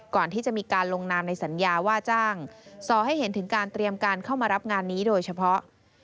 ก่อนที่จะมีการลงนามในสัญญาว่าจ้างสอให้เห็นถึงการเตรียมการเข้ามารับงานนี้โดยเฉพาะ